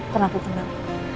ternyata aku kenal